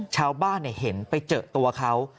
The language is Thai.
ชาวบ้านเห็นไปเจอตัวเขา